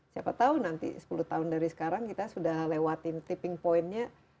siapa tahu nanti sepuluh tahun dari sekarang kita sudah lewatin tipping pointnya